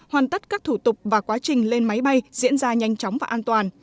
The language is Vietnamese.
hoàn tất các thủ tục và quá trình lên máy bay diễn ra nhanh chóng và an toàn